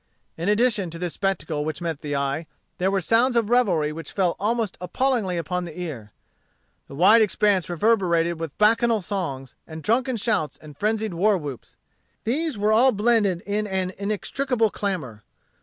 In addition to this spectacle which met the eye, there were sounds of revelry which fell almost appallingly upon the ear. The wide expanse reverberated with bacchanal songs, and drunken shouts, and frenzied war whoops. These were all blended in an inextricable clamor.